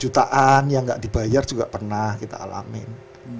jutaan yang nggak dibayar juga pernah kita alamin